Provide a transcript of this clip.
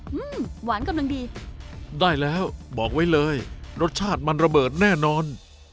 อืมหวานกำลังดีได้แล้วบอกไว้เลยรสชาติมันระเบิดแน่นอน